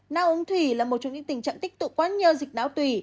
não uống thủy là một trong những tình trạng tích tụ quá nhiều dịch não thủy